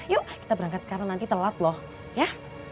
yuk kita berangkat sekarang nanti telat loh ya